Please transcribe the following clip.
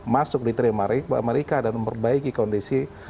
masuk di trima amerika dan memperbaiki kondisi